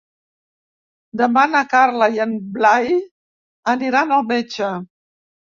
Demà na Carla i en Blai aniran al metge.